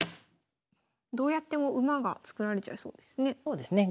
どうやっても馬が作られちゃいそうですね。